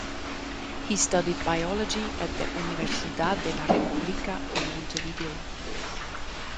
He studied biology at the Universidad de la Republica in Montevideo.